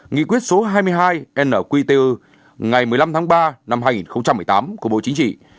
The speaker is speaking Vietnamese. nghị quyết số hai mươi hai nqtu ngày một mươi năm tháng ba năm hai nghìn một mươi tám của bộ chính trị